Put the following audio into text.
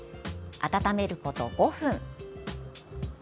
温めること５分。